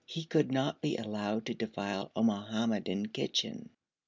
He could not be allowed to defile a Mohammedan kitchen.